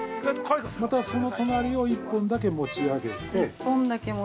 ◆また、その隣を１本だけ持ち上げて。